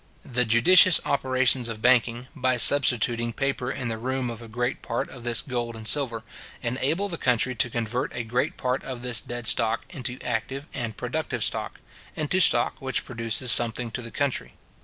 The judicious operations of banking, by substituting paper in the room of a great part of this gold and silver, enable the country to convert a great part of this dead stock into active and productive stock; into stock which produces something to the country.